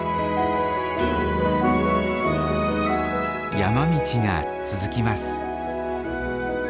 山道が続きます。